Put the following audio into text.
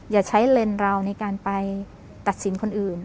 อย่าใช้เลนส์เราในการไปตัดสินคนอื่น